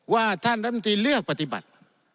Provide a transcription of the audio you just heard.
ว่าท่านรัฐมนตรีเลือกปฏิบัติ